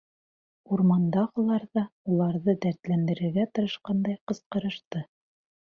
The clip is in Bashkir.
Урмандағылар ҙа уларҙы дәртләндерергә тырышҡандай ҡысҡырышты.